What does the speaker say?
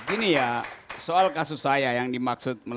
ini ya soal kasus saya yang dimaksud